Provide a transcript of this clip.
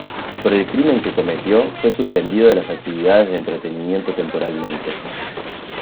Por el crimen que cometió, fue suspendido de las actividades de entretenimiento temporalmente.